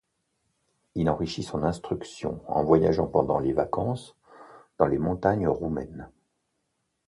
Il enrichit son instruction en voyageant pendant les vacances dans les montagnes roumaines.